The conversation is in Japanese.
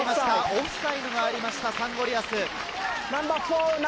オフサイドがありました、サンゴリアス。